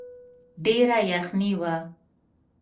ډېره يخني وه.